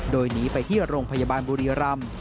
โดยหนีไปที่โรงพยาบาลบุรีรำ